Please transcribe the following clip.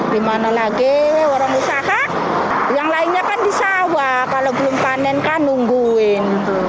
dimana lagi orang usaha yang lainnya kan di sawah kalau belum panen kan nungguin